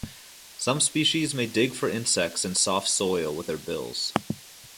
Some species may dig for insects in soft soil with their bills.